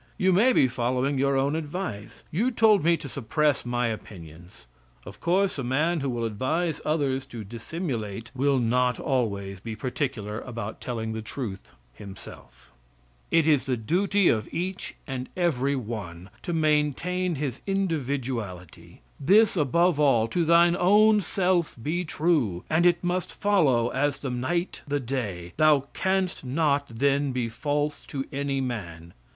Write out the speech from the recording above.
You may be following your own advice. You told me to suppress my opinions. Of course a man who will advise others to dissimulate will not always be particular about telling the truth himself." It is the duty of each and every one to maintain his individuality. "This above all, to thine own self be true, and it must follow as the night the day, thou canst not then be false to any man."